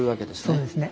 そうですね。